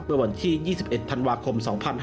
เมื่อวันที่๒๑ธันวาคม๒๕๕๙